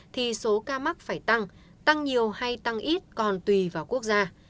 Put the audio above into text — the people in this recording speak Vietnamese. thì số ca mắc phải tăng tăng nhiều hay tăng ít còn tùy vào quốc gia